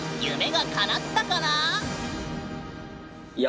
夢がかなったかな？